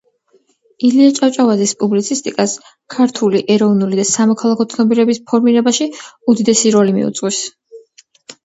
ილია ჭავჭავაძის პუბლიცისტიკას ქართული ეროვნული და სამოქალაქო ცნობიერების ფორმირებაში უდიდესი როლი მიუძღვის.